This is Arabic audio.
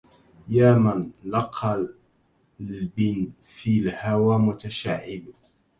يا من لقلب في الهوى متشعب